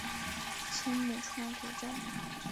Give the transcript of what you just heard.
青木川古镇